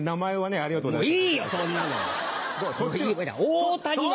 ありがとうございます。